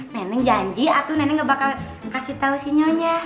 nenek janji atu nenek gak bakal kasih tau si nyonya